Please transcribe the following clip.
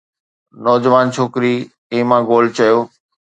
نوجوان ڇوڪري Emma Gold چيو